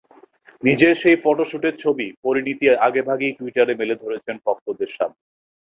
নিজের সেই ফটোশুটের ছবি পরিণীতি আগেভাগেই টুইটারে মেলে ধরেছেন ভক্তদের সামনে।